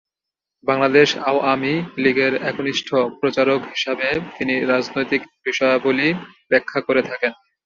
বাংলাদেশ আওয়ামী লীগের একনিষ্ঠ প্রচারক হিসাবে তিনি রাজনৈতিক বিষয়াবলী ব্যাখ্যা করে থাকেন।